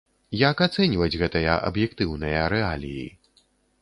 Як ацэньваць гэтыя аб'ектыўныя рэаліі?